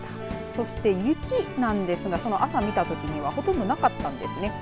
そして雪なんですがその朝見たときにはほとんどなかったんですね。